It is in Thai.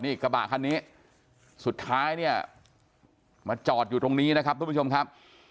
นี่กระบะคันนี้สุดท้ายเนี่ยมาจอดอยู่ตรงนี้นะครับทุกผู้ชมครับ